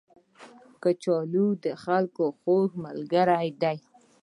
کچالو د خلکو خوږ ملګری دی